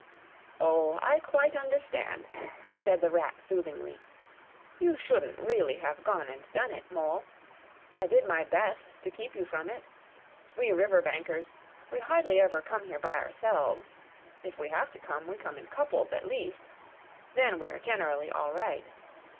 "O, I quite understand," said the Rat soothingly. "You shouldn't really have gone and done it, Mole. I did my best to keep you from it. We river bankers, we hardly ever come here by ourselves. If we have to come, we come in couples, at least; then we're generally all right.